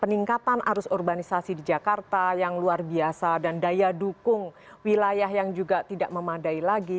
peningkatan arus urbanisasi di jakarta yang luar biasa dan daya dukung wilayah yang juga tidak memadai lagi